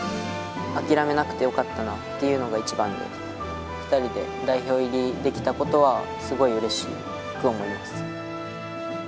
諦めなくてよかったなっていうのが一番で、２人で代表入りできたことは、すごいうれしく思います。